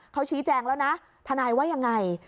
เขาชี้แจงแล้วนะทนายว่ายังไง